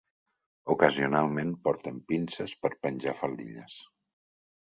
Ocasionalment porten pinces per penjar faldilles.